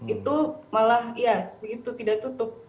itu malah ya begitu tidak tutup